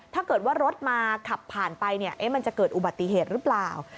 ถ้าเกิดว่ารถมาขับผ่านไปมันจะเกิดอุบัติเหตุหรือเปล่า